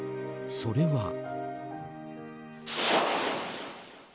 それは。